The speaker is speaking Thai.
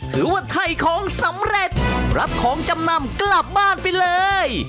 ถือว่าถ่ายของสำเร็จรับของจำนำกลับบ้านไปเลย